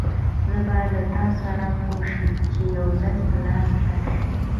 زه به له تاسره پوه شم، چې يوځل په لاس راشې!